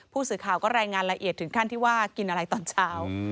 ผู้สื่อข่าวก็รายงานละเอียดถึงขั้นที่ว่ากินอะไรตอนเช้า